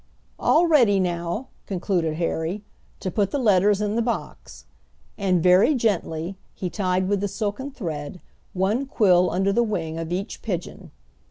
"All ready now," concluded Harry, "to put the letters in the box," and very gently he tied with the silken thread one quill under the wing of each pigeon.